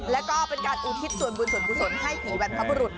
แล้วก็เป็นการอุทิศส่วนบุญส่วนให้ผีแหวนท็อปรุศ